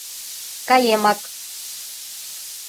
— Каемак.